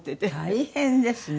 大変ですね。